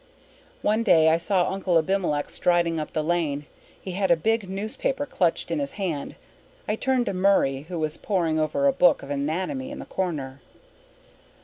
One day I saw Uncle Abimelech striding up the lane. He had a big newspaper clutched in his hand. I turned to Murray, who was poring over a book of anatomy in the corner.